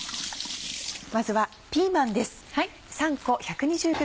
まずはピーマンです。